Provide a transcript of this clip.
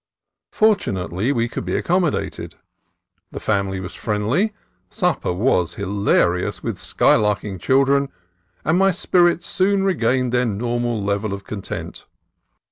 Fortunately we could be accommodated. The family was friendly, supper was hilarious with skylarking children, and my spirits soon regained their normal level of con tent.